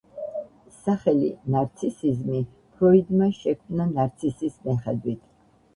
სახელი „ნარცისიზმი“ ფროიდმა შექმნა ნარცისის მიხედვით.